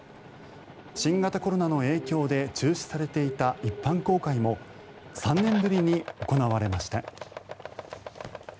新型コロナの影響で中止されていた一般公開も３年ぶりに行われました。